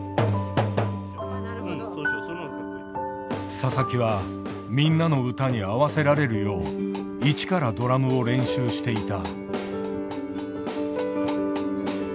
佐々木はみんなの歌に合わせられるよう一からドラムを練習していた。